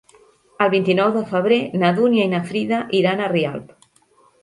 El vint-i-nou de febrer na Dúnia i na Frida iran a Rialp.